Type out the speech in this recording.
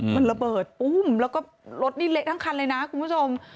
มันระเบิดปุ้มแล้วก็รถนี่เละทั้งคันเลยนะคุณผู้ชม